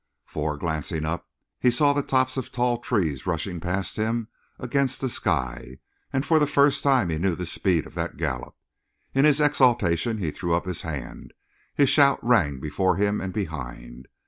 For, glancing up, he saw the tops of tall trees rushing past him against the sky, and for the first time he knew the speed of that gallop. In his exultation he threw up his hand, and his shout rang before him and behind.